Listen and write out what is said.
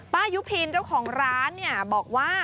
ยุพินเจ้าของร้านเนี่ยบอกว่า